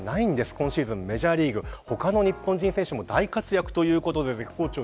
今シーズンのメジャーリーグ他の日本人選手も大活躍ということです。